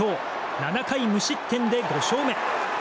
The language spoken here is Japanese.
７回無失点で５勝目。